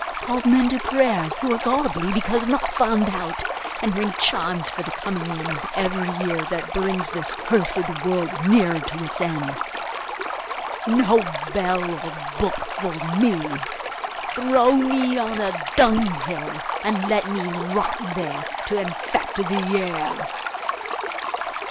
Call men to prayers who are godly because not found out, and ring chimes for the coming in of every year that brings this cursed world nearer to its end. No bell or book for me! Throw me on a dunghill, and let me rot there, to infect the air!